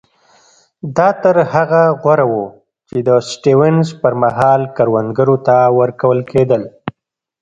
دا تر هغه غوره وو چې د سټیونز پر مهال کروندګرو ته ورکول کېدل.